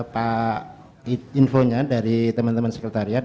pak infonya dari teman teman sekretariat